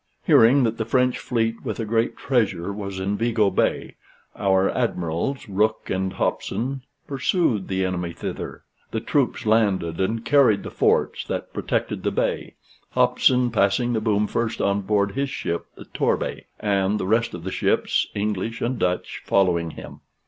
Hearing that the French fleet with a great treasure was in Vigo Bay, our Admirals, Rooke and Hopson, pursued the enemy thither; the troops landed and carried the forts that protected the bay, Hopson passing the boom first on board his ship the "Torbay," and the rest of the ships, English and Dutch, following him.